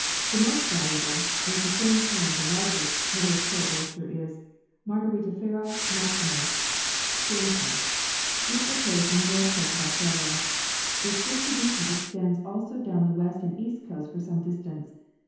The most valuable, and at the same time the largest, mother of pearl oyster, is Margaritifera n] WHERE PEARLS ARE FOUND 13 maxima, Jameson, which occurs on the north coast of Australia. Its distribution extends also down the west and east coasts for some distance.